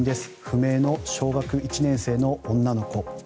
不明の小学１年生の女の子。